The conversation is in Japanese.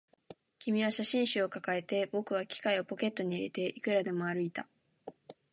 君は写真集を抱えて、僕は機械をポケットに入れて、いくらでも歩いた